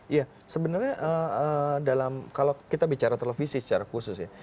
iya sebenarnya dalam kalau kita bicara televisi secara khusus ya